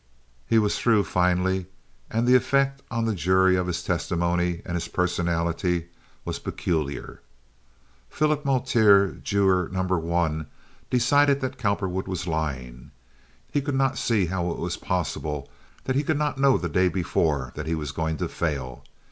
He was through finally, and the effect on the jury of his testimony and his personality was peculiar. Philip Moultrie, juror No. 1, decided that Cowperwood was lying. He could not see how it was possible that he could not know the day before that he was going to fail.